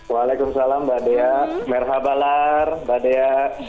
waalaikumsalam mbak dea merhabalar mbak dea